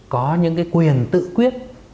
có những quyền tự quyết